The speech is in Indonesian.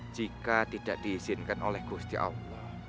jika tidak diizinkan oleh gusti allah